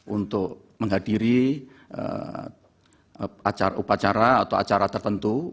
untuk menghadiri acara upacara atau acara tertentu